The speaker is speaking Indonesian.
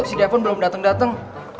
si devon belum dateng dateng